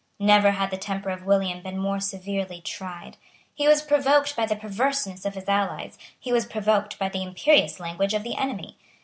Never had the temper of William been more severely tried. He was provoked by the perverseness of his allies; he was provoked by the imperious language of the enemy.